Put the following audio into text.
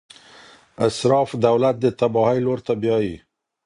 اسراف دولت د تباهۍ لور ته بیايي.